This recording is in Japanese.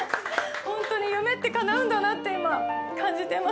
本当に夢ってかなうんだなって今感じてます。